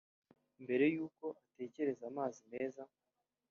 Mbere y’uko utekereza amazi meza